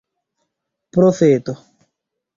profeto